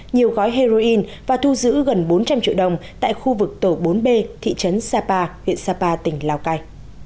nhiều gói heroin và thu giữ gần bốn trăm linh triệu đồng tại khu vực tổ bốn b thị trấn sapa huyện sapa tỉnh lào cai